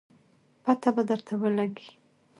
پته به درته ولګي